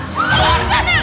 keluar dari sana